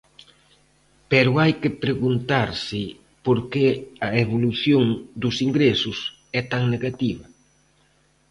Pero hai que preguntarse por que a evolución dos ingresos é tan negativa.